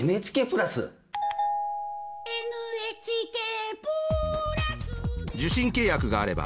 「ＮＨＫプラスで」